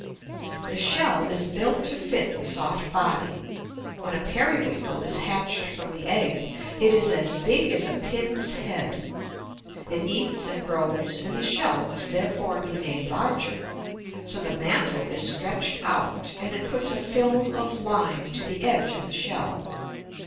[Illustration: PRECIOUS WENTLETRAP.] The shell is built to fit the soft body. When a Periwinkle is hatched from the egg, it is as big as a pin's head. It eats and grows, and the shell must therefore be made larger. So the mantle is stretched out, and it puts a film of lime to the edge of the shell.